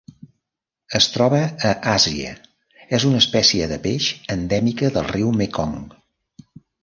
Es troba a Àsia: és una espècie de peix endèmica del riu Mekong.